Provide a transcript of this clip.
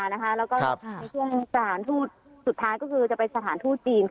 แล้วก็ในช่วงสถานทูตสุดท้ายก็คือจะไปสถานทูตจีน